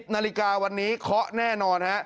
๑๐นาฬิกาวันนี้ค๊อแน่นอน